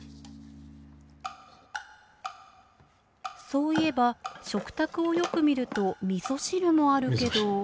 そういえば食卓をよく見るとみそ汁もあるけど。